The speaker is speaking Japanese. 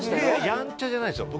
やんちゃじゃないですよ